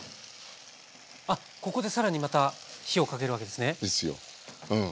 あっここで更にまた火をかけるわけですね。ですようん。